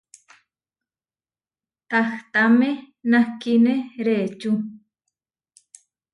Tahtáme nahkíne reʼečú.